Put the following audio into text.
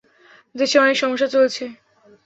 দেশে অনেক সমস্যা চলছে।